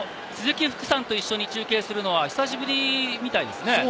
鈴木福さんと一緒に中継するの久しぶりみたいですね。